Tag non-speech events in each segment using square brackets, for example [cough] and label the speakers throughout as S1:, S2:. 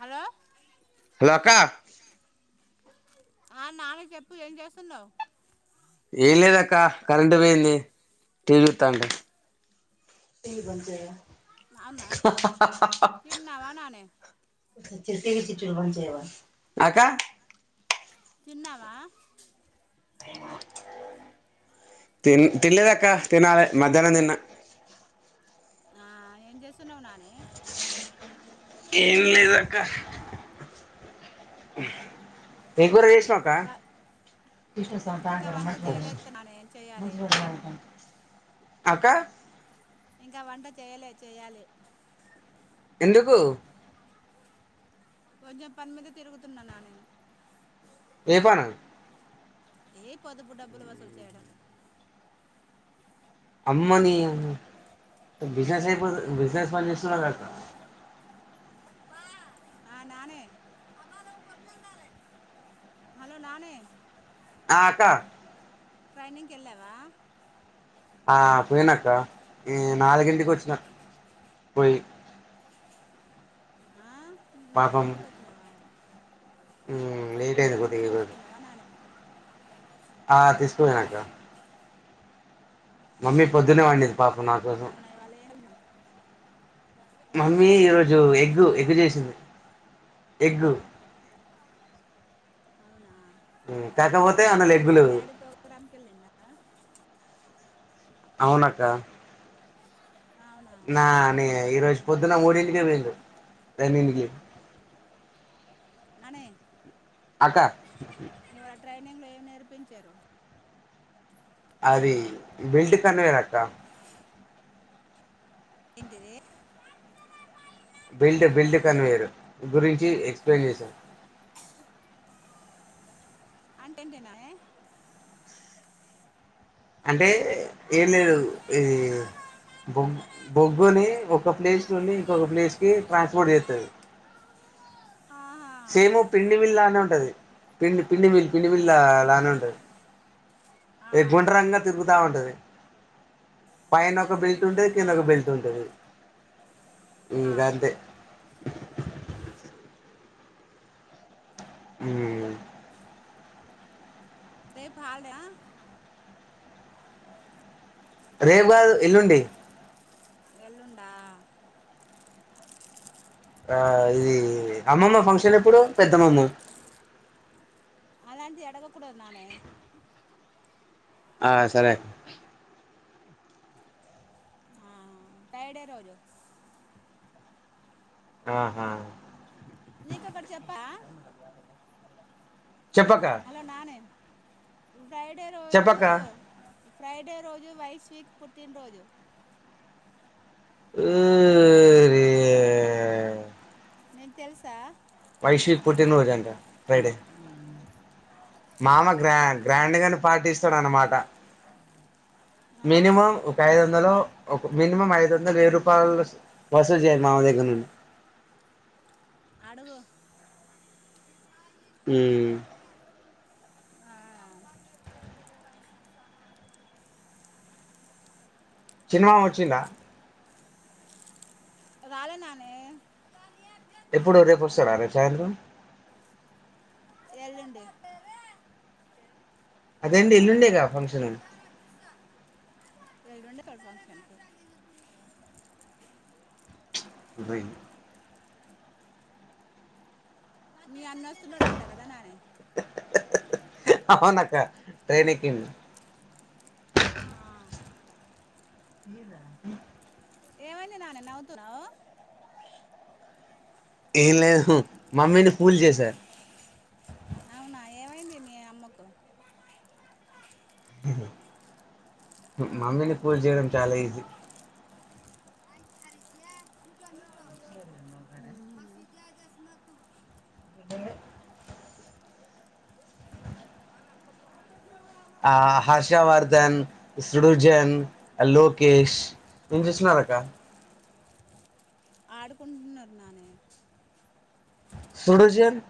S1: Hello
S2: hello అక్క
S1: ఆ నానీ చెప్పు ఏం చేస్తున్నావ్.
S2: ఏం లేద అక్క కరెంట్ పోయింది. టీ. వీ చూస్తంటే
S1: అవునా తిన్నావా నానీ
S2: అక్క
S1: తిన్నావా
S2: తిన్ తిన్నలేదక్క. తినాల మధ్యాహ్నం తిన్న.
S1: ఆ ఏం చేస్తున్నావ్ నానీ
S2: ఏం లేదక్క ఏం కూర చేస్ శ్నావ్ అక్క
S1: వ ఇంకా వంట చేయలేదు నానే ఏం చేయాలి
S2: అక్క
S1: ఇంకా వంట చేయలే చేయాలి
S2: ఎందుకు
S1: కొంచెం పని మీద తిరుగుతున్నా. నాని
S2: ఏ పనో
S1: ఏ పొదుపు డబ్బులు వసూలు చేయడం.
S2: అమ్మనీ మొత్తం బిజెనేసయిపోత్ బిజినేస్ పన్జేస్తునవ్ గక్క
S1: ఆహ్ నాని హలో నాని
S2: ఆ అక్క
S1: ట్రైనింగ్కి వెళ్ళావా.
S2: ఆ పోయినాక్క ఈ నాలుగింటికి వచ్చిన. పోయి
S1: ఆ, నాలుగింటికి వచ్చినావా
S2: ఉహ్మ్ లేట్ అయింది.
S1: లంచ్
S2: కొద్దిగా
S1: బస్
S2: ఈరోజు
S1: తీసుకెళ్ళినావా నానే
S2: ఆహ్ తీసుకోబోయినక్క మమ్మీ పొద్దునే వాండింద్ పాపం నా కోసం.
S1: అవునా ఇవాళ ఏం ఏం
S2: మమ్మీ
S1: కర్రీ
S2: ఈరోజు
S1: వండింది
S2: ఎగ్గు ఎగ్గు చేసింది. ఎగ్గు
S1: అవునా
S2: ఉహ్ కాకపోతే అన లెగ్గు
S1: మీ
S2: లేవ్
S1: డాడీ ప్రోగ్రామ్కి వెళ్ళిండా
S2: అవునాక్క
S1: అవునా
S2: నా నే ఈరోజ్ పొద్దున్న మూడింటికే వోయిండు ట్రైనింగ్ కి
S1: ననే
S2: అక్క
S1: గ్లు ఏం నేర్పించారు.
S2: అది బిల్డ్ కన్వేరక్క
S1: ఏంటిది
S2: బిల్డ్ బిల్డ్ కన్వేయరు గురించి ఎక్సప్లేయిన్ చేసాను
S1: అంటేంటేనాయే
S2: అంటే ఏం లేదు ఇ బొ బొగ్గుని ఒక ప్లేస్ నుండి ఇంకొక ప్లేస్ కి ట్రాన్స్పోర్ట్ చేత్తది
S1: ఆహా
S2: సేము పిండివిల్లా అని ఉంటది పిండి పిండిమిల్ పిండిమిల్ లానే ఉంటది. ఏ
S1: ఆ
S2: గుండరంగ తిరుగుతా ఉంటది పైన ఒక బెల్ట్ ఉంటది
S1: ఆ
S2: కింద ఒక బెల్ట్ ఉంటది
S1: ఆ
S2: అంతే హ్మ్
S1: రేపు హాలిడే యా
S2: రేపు కాదు ఎల్లుండి
S1: ఎళ్ళుండా
S2: ఆ ఇది అమ్మమ్మ ఫంక్షన్ ఎప్పుడు పెద్దమమ్మ
S1: అలాంటి ఆడకూడదు నానే
S2: ఆ సరే
S1: ఆ టైడే రోజు
S2: ఆహా
S1: నీకొక్కడ చెప్పా
S2: చెప్పక్క
S1: హలో నానే బ్రైడే రోజు
S2: చెప్పక్క
S1: ఫ్రైడే రోజు వైస్ వీక్ పుట్టినరోజు
S2: ఓ రి
S1: నీకు తెలుసా
S2: వైష్వి పుట్టినరోజు అంట ఫ్రైడే మామ గ్రా గ్రాండ్ గా పాటిస్తాడు అన్నమాట
S1: ఆ
S2: మినిమం ఒక ఐదు వందలు ఒక మినిమం ఐదు వందలు వెయ్యి రూపాయలు వసూలు చేయాలి మామ దగ్గర నుండి
S1: అడుగు
S2: ఉమ్
S1: ఆ
S2: చిన్న మామ వచ్చిండా
S1: రాలే నానే
S2: ఎప్పుడు రేపొస్తాడా రేపు సాయంత్రం.
S1: ఎల్లుండి
S2: అదేంటి ఎల్లుండే గా ఫంక్షన్
S1: ఎల్లుండే తొలి ఫంక్షన్సు
S2: దైని
S1: నీ అన్న వస్తున్నాడుంట కదా నానే
S2: అవునక్కా ట్రైనేక్కిం ఇద
S1: ఏమైంది నానే నవ్వుతున్నావ్
S2: ఏం లేదు మమ్మీని ఫూల్ చేసా
S1: అవునా ఏవైంది మీ అమ్మకు
S2: మమ్మీని పూలు చేయడం చాలా ఈజీ
S1: హ్మ్
S2: ఇదిడి ఆ హర్షవర్ధన్ సృడుజన్ లోకేష్ నిను చూస్తున్నారు అక్క
S1: ఆడుకుంటున్నారు నానే
S2: సుడుజన్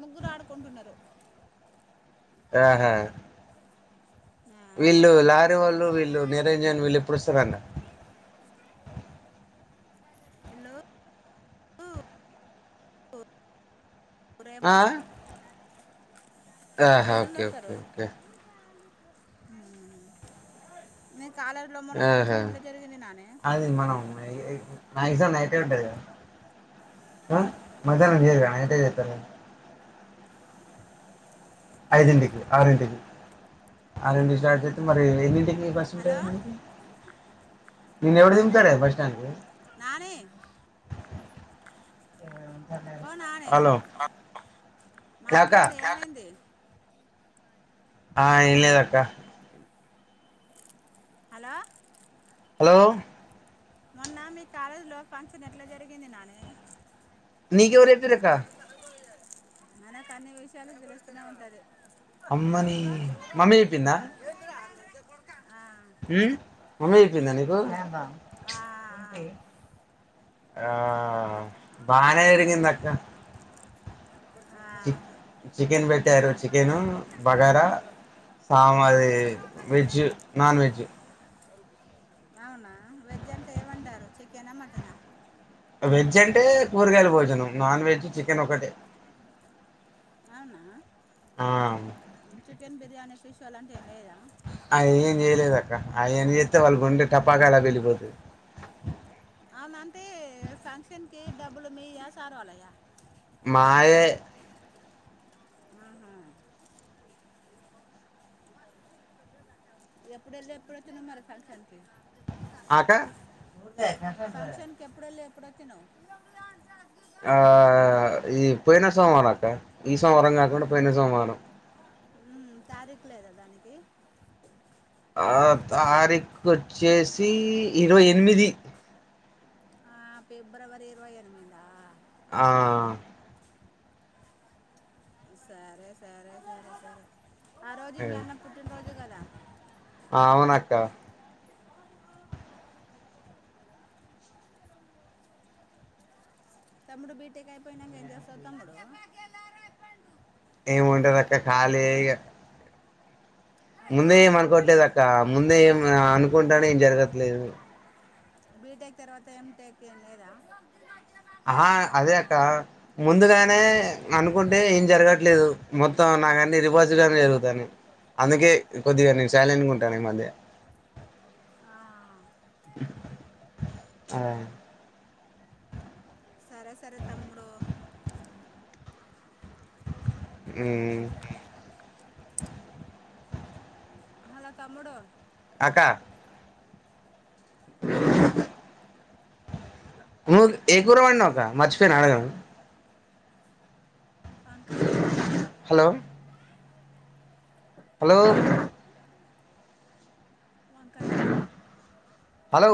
S1: ముగ్గురు ఆడుకుంటున్నరు.
S2: ఆహా
S1: ఆ,
S2: వీళ్ళు లారీ వోళ్ళు వీళ్ళు నిరంజన్ వీళ్ళు ఎప్పుడస్తరట?
S1: హలో
S2: ఆ
S1: రేపొస్
S2: ఆహా ఓకే ఓకే ఓకే.
S1: నీ కాలేజీలో మొన్న
S2: ఆహ
S1: ఫంక్షన్ ఎట్లా జరిగింది నానే
S2: అది మనం మక్సిమం నైటె ఉంటది కదా, ఆ మధ్యాహ్నం చేయరా? టె చేతను ఐదింటికి ఆరింటికి, ఆరింటికి స్టార్ట్ చేస్తే మరి ఎన్నింటికి
S1: హలో
S2: నిన్ను ఎవడు దింపుతడే బస్ స్టాండ్కి
S1: నాని ఓ నానే
S2: హలో అక్క
S1: మాట్లాడ ఏమైంది
S2: ఆ ఇల్ద అక్క
S1: హలో
S2: హలో
S1: మొన్న మీ కాలేజీ లో ఫంక్షన్ ఎట్లా జరిగింది నాని
S2: నక ఎవరు చెపిన్రు అక్కా
S1: మనకు అన్ని విషయలు తెలుస్తూనే ఉంటది
S2: అమ్మని మమ్మీ చెప్పిందా
S1: కొడుక
S2: ఉమ్ మమ్మీ అయిపోయిందా నీకు ఆ బాన ఇరింగందక్క
S1: ఆ
S2: చక్ చికెన్ పెట్టారు చికెను బగారా సామాది వెజ్ నాన్ వెజ్
S1: అవునా వెజ్ అంటే ఏమండారు చికెనా మటనా
S2: వెజ్ అంటే కూరగాయల భోజనం నాన్ వెజ్ చికెన్ ఒకటే
S1: అవునా
S2: ఆ
S1: చికెన్ బిర్యానీ ఫిష్ చ అలంట ఏం లేదా
S2: ఆ ఏం చేయలేదు అక్క ఆయం చేస్తే వాళ్ళ గుండే టపాకా ఎలా వెళ్ళిపోతు
S1: కే డబల్ మీయా సారవలాయా
S2: మాయే
S1: ఆహా ఎప్పుడు వెళ్ళి ఎప్పుడు వచ్చిన మరి ఫక్షన్కి
S2: ఆకా
S1: స్తును [unintelligible]
S2: ఆ ఈ పోయిన సోవారం అక్క ఈ సోమవరారం కాకుండా పోయిన సోవారం
S1: ఉ తారీఖు లేదా దానికి
S2: ఆ తారీఖు వచ్చేసి ఇరవై ఎనిమిది
S1: ఆ ఫిబ్రవరి ఇరవై ఎనిమిద ఆ
S2: ఆ
S1: సరే సరే సరే సరే ఆ రోజు మీ అన్న పుట్టినరోజు కదా
S2: అవునక్క
S1: [unintelligible] తమ్ముడు బీటేక్ అయిపోయినాక ఏం చేస్తావు తమ్ముడు
S2: ఏము ఉంటది అక్కా ఖాళీ
S1: అంటే
S2: ముందే ఏం అనుకోట్లేదు అక్క ముందే ఏం అనుకుంటానే ఏం జరగట్లేదు
S1: బిటెక్ తర్వాత ఎ టెక్ లేదా
S2: ఆహా అదే అక్క ముందుగానే అనుకుంటే ఏం గా జరుగుతాను అందుకే కొద్దిగా నేను సైలెంట్గా ఉంటాను ఈ మధ్య
S1: ఆ
S2: ఆ
S1: సరే సరే తమ్ముడు
S2: ఉమ్
S1: హలో తమ్ముడు
S2: అక్క మ ఏకురవడిన్నావు ఒక మచిపోన్ అడగడం
S1: వంకాయ
S2: హలో హలో
S1: వంకాయ కర్రీ
S2: హలో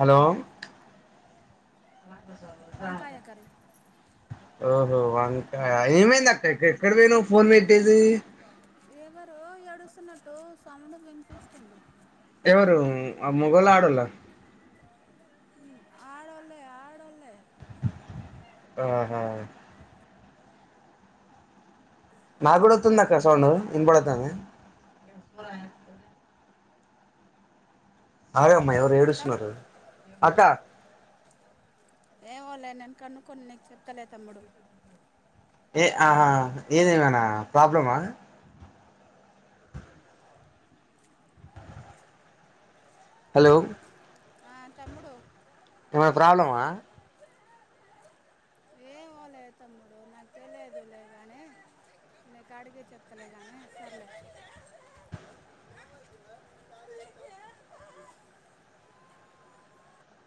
S2: హలో
S1: వంకాయ కర్రీ
S2: ఓహో వంట ఏమైంది అక్క ఎక్కడికి పోయినావ్ పోన్ పెట్టేసి
S1: వస్తున్నట్టు సౌండ్ వినిపిస్తుంది
S2: ఎవరు మొగోళ్ళ ఆడొల్ల
S1: ఉమ్, ఆడోళ్ళే ఆడోళ్ళే
S2: ఆహా నా కూడా వత్తుంది అక్క సౌండ్ ఇన్ పడతుంది అరే ఎవరో
S1: తమ్ముడు
S2: ఏడుస్తున్నారు అక్క
S1: ఏమోలే నేను కనుక్కొని నీకు చెప్తలే తమ్ముడు
S2: ఏ ఆహా ఏది ఏమైనా ప్రాబ్లమా హలో
S1: ఆ తమ్ముడు
S2: ఏమన్నా ప్రాబ్లమా
S1: ఏమో లే తమ్ముడు నాకు తెలియదు లే కానీ నీకు అడిగీ చెప్తలే గాని సర్లే